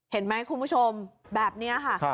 เห็นไหมคุณผู้ชมแบบนี้ค่ะ